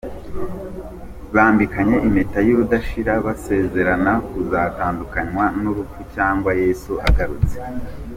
Bambikanye impeta y'urudashira basezerana kuzatandukanywa n'urupfu cyangwa Yesu agarutse.